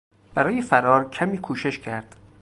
برای فرار کمی کوشش کرد.